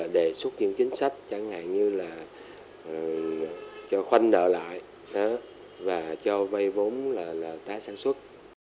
đề xuất những chính sách chẳng hạn như là cho khoanh nợ lại và cho vay vốn là tái sản xuất